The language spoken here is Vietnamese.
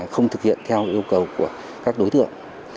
không thực hiện theo yêu cầu của các đối tượng